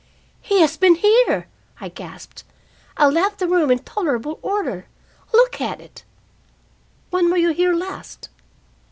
"He has been here!" I gasped. "I left the room in tolerable order. Look at it!" "When were you here last?"